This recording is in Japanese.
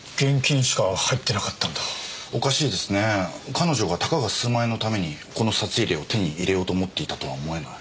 彼女がたかが数万円のためにこの札入れを手に入れようと思っていたとは思えない。